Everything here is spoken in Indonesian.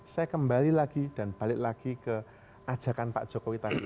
saya kembali lagi dan balik lagi ke ajakan pak jokowi tadi